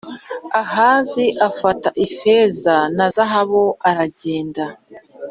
Ahazi afata ifeza na zahabu aragenda